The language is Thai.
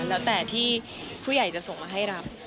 แล้วแต่ที่ผู้ใหญ่จะส่งมาให้รับ